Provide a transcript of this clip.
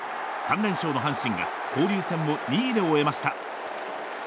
３連勝の阪神が交流戦も２位で終えました。